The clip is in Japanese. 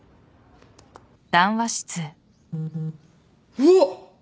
うわっ！